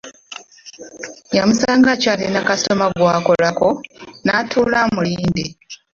Yamusanga akyalina kasitoma gw'akolako, n'atuula amulindde.